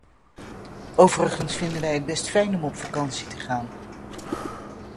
Overigens vinden wij het best fijn om op vakantie te gaan.